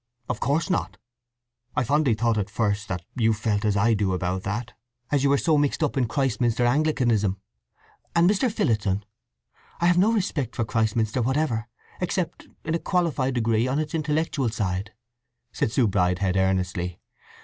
"Of course not. I fondly thought at first that you felt as I do about that, as you were so mixed up in Christminster Anglicanism. And Mr. Phillotson—" "I have no respect for Christminster whatever, except, in a qualified degree, on its intellectual side," said Sue Bridehead earnestly.